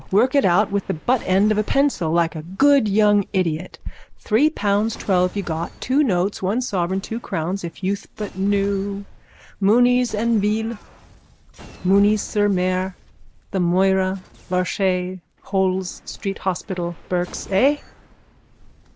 Work it out with the buttend of a pencil, like a good young idiot. Three pounds twelve you got, two notes, one sovereign, two crowns, if youth but knew. Mooney's en ville, Mooney's sur mer, the Moira, Larchet's, Holles street hospital, Burke's. Eh?